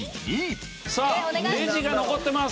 さあレジが残ってます。